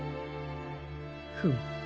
フム。